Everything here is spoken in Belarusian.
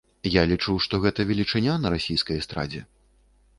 Я лічу, што гэта велічыня на расійскай эстрадзе.